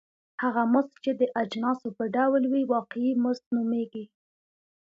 هغه مزد چې د اجناسو په ډول وي واقعي مزد نومېږي